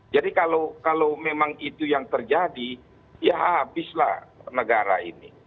jadi kalau memang itu yang terjadi ya habislah negara ini